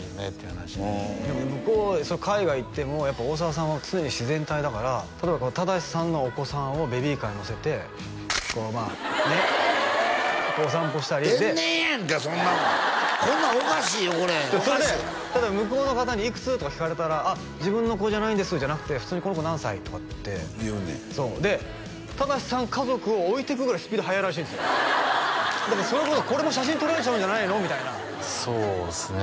話で海外行ってもやっぱり大沢さんは常に自然体だから例えばこう忠さんのお子さんをベビーカーに乗せてこうまあねお散歩したり天然やんかそんなもんこんなんおかしいよこれそれで例えば向こうの方に「いくつ？」とか聞かれたら「自分の子じゃないんです」じゃなくて普通に「この子何歳」とかって言うねんやそうで忠さん家族を置いてくぐらいスピード速いらしいんですよだからそれこそこれも写真撮られちゃうんじゃないのみたいなそうですね